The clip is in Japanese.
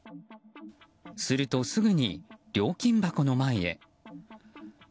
すると、すぐに料金箱の前へ。